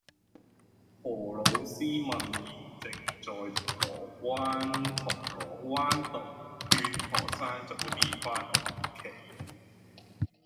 何老師問現正在銅鑼灣銅鑼灣道勸學生早啲返屋企